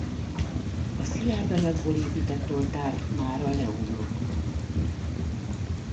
A szilárd anyagból épített oltár mára leomlott.